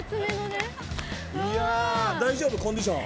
大丈夫？コンディション。